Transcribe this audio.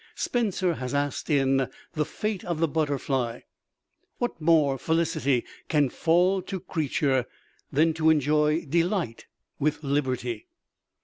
Spenser has asked in "The Fate of the Butterfly": "What more felicity can fall to creature Than to enjoy delight with liberty?"